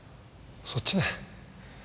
そっちね。